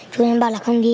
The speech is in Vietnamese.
chú tuấn bảo là không đi